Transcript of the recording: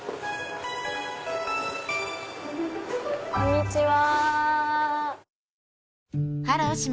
こんにちは。